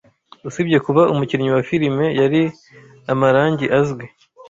Usibye kuba umukinnyi wa filime, yari amarangi azwi.